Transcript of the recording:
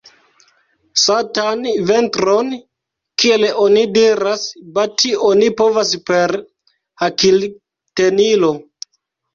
Satan ventron, kiel oni diras, bati oni povas per hakiltenilo.